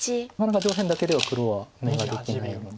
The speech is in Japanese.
上辺だけでは黒は眼ができないので。